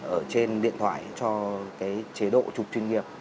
ở trên điện thoại cho cái chế độ chụp chuyên nghiệp